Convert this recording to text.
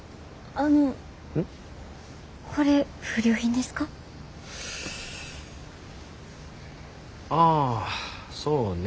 ああそうね。